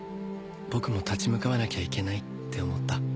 僕も立ち向かわなきゃいけないって思った。